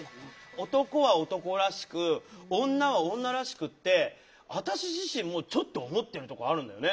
男は男らしく女は女らしくって私自身もちょっと思ってるとこあるのよね。